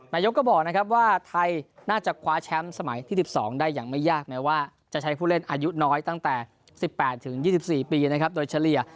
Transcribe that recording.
นายกก็บอกนะครับว่าไทยน่าจะคว้าแชมป์สมัยที่๑๒ได้อย่างไม่ยากแม้ว่าจะใช้ผู้เล่นอายุน้อยตั้งแต่๑๘๒๔ปีนะครับโดยเฉลี่ย